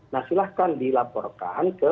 nah silahkan dilaporkan ke